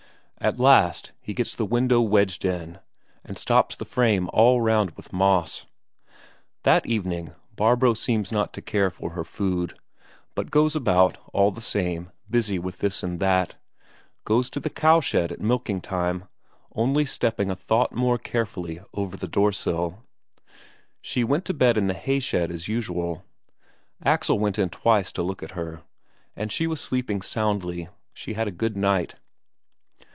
At last he gets the window wedged in, and stops the frame all round with moss. That evening Barbro seems not to care for her food, but goes about, all the same, busy with this and that goes to the cowshed at milking time, only stepping a thought more carefully over the door sill. She went to bed in the hayshed as usual. Axel went in twice to look at her, and she was sleeping soundly. She had a good night.